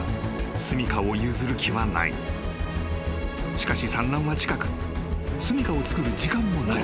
［しかし産卵は近くすみかを作る時間もない］